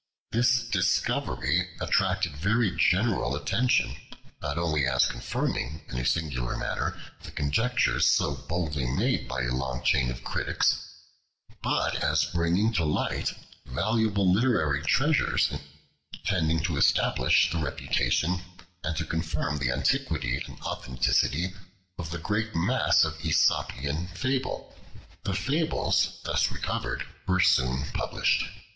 This discovery attracted very general attention, not only as confirming, in a singular manner, the conjectures so boldly made by a long chain of critics, but as bringing to light valuable literary treasures tending to establish the reputation, and to confirm the antiquity and authenticity of the great mass of Aesopian Fable. The Fables thus recovered were soon published.